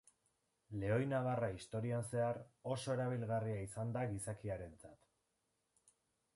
Lehoinabarra historian zehar, oso erabilgarria izan da gizakiarentzat.